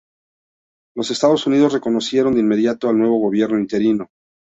Los Estados Unidos reconocieron de inmediato al nuevo gobierno interino.